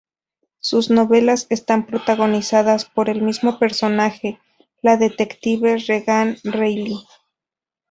Sus novelas están protagonizadas por el mismo personaje, la detective Regan Reilly.